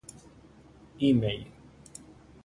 Email